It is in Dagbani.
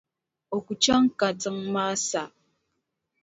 O ku chaŋ katiŋa maa sa.